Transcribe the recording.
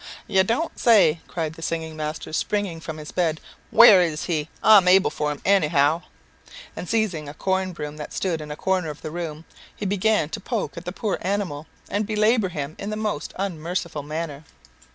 "You don't say!" cried the singing master, springing from his bed. "Where is he? I'm able for him any how." And seizing a corn broom that stood in a corner of the room, he began to poke at the poor animal, and belabour him in the most unmerciful manner.